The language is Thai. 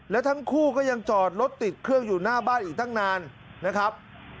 แล้วทั้งคู่ก็ยังจอดรถติดเครื่องอยู่หน้าบ้านอีกตั้งนานนะครับ